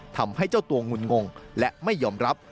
ทำให้เจ้าตัวงุ่นงงและไม่ยอมรับ